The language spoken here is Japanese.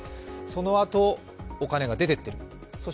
そのあとお金が出ていっている。